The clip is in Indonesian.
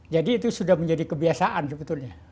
jadi itu sudah menjadi kebiasaan sebetulnya